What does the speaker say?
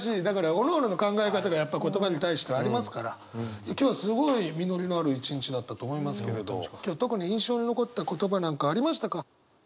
だからおのおのの考え方がやっぱり言葉に対してはありますから今日すごい実りのある一日だったと思いますけれど今日特に印象に残った言葉なんかありましたか？